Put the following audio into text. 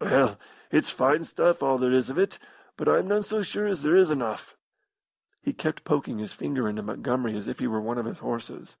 Well, it's fine stuff all there is of it, but I'm none so sure as there is enough." He kept poking his finger into Montgomery as if he were one of his horses.